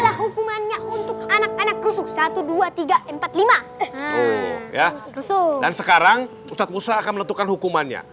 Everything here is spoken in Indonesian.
ini hukumannya untuk anak anak rusuk dua belas ribu tiga ratus empat puluh lima ya dan sekarang ustadz musa akan meletupkan hukumannya